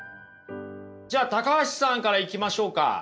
じゃあ橋さんからいきましょうか。